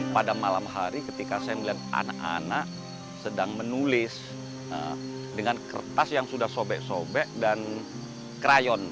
pada malam hari ketika saya melihat anak anak sedang menulis dengan kertas yang sudah sobek sobek dan krayon